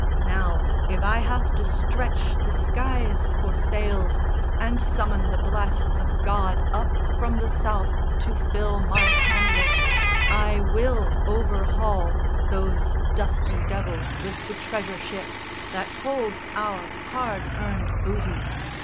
Now, if I have to stretch the skies for sails And summon the blasts of God up from the South To fill my canvas, I will overhaul Those dusky devils with the treasure ship That holds our hard earned booty.